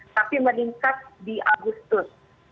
tapi meningkat di agustus